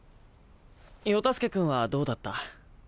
世田介君はどうだった？